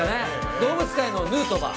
動物界のヌートバー。